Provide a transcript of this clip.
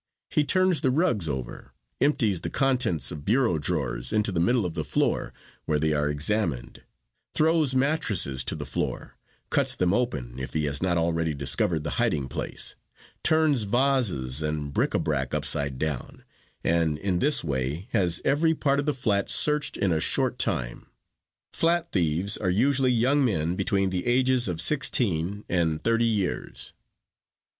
He turns the rugs over, empties the contents of bureau drawers into the middle of the floor, where they are examined, throws mattresses to the floor, cuts them open if he has not already discovered the hiding place, turns vases and bric a brac upside down, and, in this way, has every part of the flat searched in a short time. Flat thieves are usually young men between the ages of sixteen and thirty years.